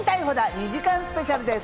２時間スペシャルです。